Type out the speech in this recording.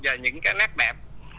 về những nét đẹp